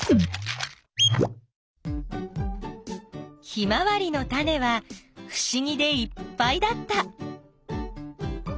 ヒマワリのタネはふしぎでいっぱいだった。